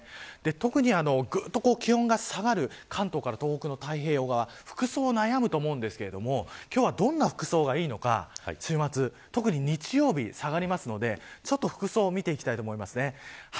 特にぐっと気温が下がる関東から東北の太平洋側服装に悩むと思いますが、今日はどんな服装がいいのか週末、特に日曜日下がりますので服装を見ていきたいと思います。